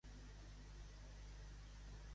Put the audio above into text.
Nedar de gos.